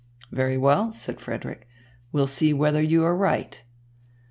"Very well," said Frederick, "we'll see whether you are right.